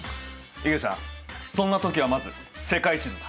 いげちゃんそんな時はまず世界地図だ。